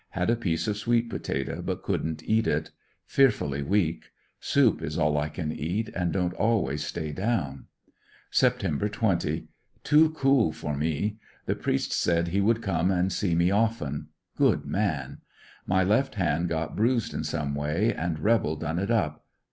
Had a piece of sweet potato, but couldn't eat it. Fearfully weak Soup is all I can eat, and don't always stay down 96 ANDEBSONVILLE DIABY. Sept. 20, rToo cool for me. The priest said lie would come and see me often. Good man. My left hand got bruised in some way and rebel done it up.